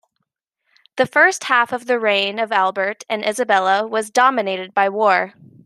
The first half of the reign of Albert and Isabella was dominated by war.